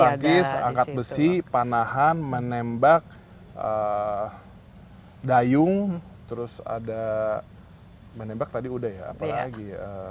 bulu tangkis angkat besi panahan menembak dayung terus ada menembak tadi udah ya apalagi